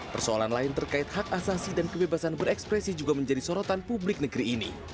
persoalan lain terkait hak asasi dan kebebasan berekspresi juga menjadi sorotan publik negeri ini